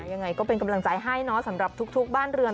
ยังไงก็เป็นกำลังใจให้เนาะสำหรับทุกบ้านเรือน